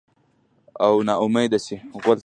او نا امیده شي